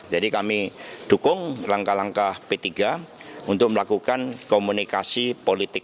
jadi kami dukung langkah langkah p tiga untuk melakukan komunikasi politik